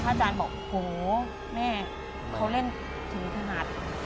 พระอาจารย์บอกหูแม่เขาเล่นถึงขหัส